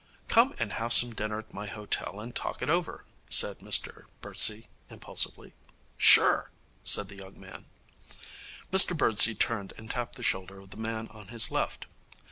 'Come and have some dinner at my hotel and talk it over,' said Mr Birdsey impulsively. 'Sure!' said the young man. Mr Birdsey turned and tapped the shoulder of the man on his left.